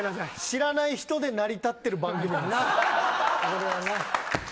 知らない人で成り立ってる番組です。